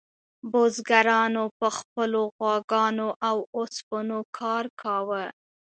بزګرانو په خپلو غواګانو او اوسپنو کار کاوه.